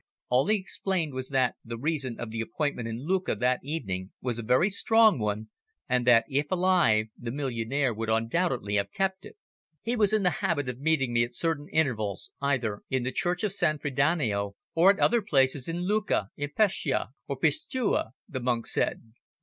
All he explained was that the reason of the appointment in Lucca that evening was a very strong one, and that if alive the millionaire would undoubtedly have kept it. "He was in the habit of meeting me at certain intervals either in the Church of San Frediano, or at other places in Lucca, in Pescia, or Pistoja," the monk said.